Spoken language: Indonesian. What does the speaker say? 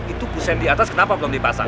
itu pusen di atas kenapa belum dipasang